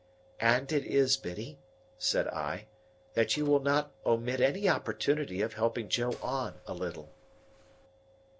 "And it is, Biddy," said I, "that you will not omit any opportunity of helping Joe on, a little."